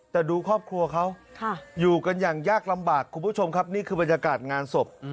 แต่ดูครอบครัวเขาอยู่กันอย่างยากลำบากคุณผู้ชมครับนี่คือบรรยากาศงานศพ